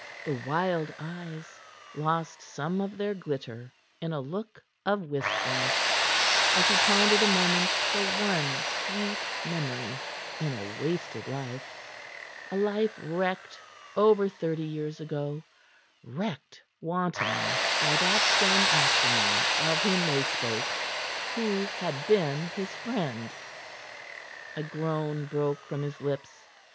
The wild eyes lost some of their glitter in a look of wistfulness, as he pondered a moment the one sweet memory in a wasted life, a life wrecked over thirty years ago wrecked wantonly by that same Ostermore of whom they spoke, who had been his friend. A groan broke from his lips.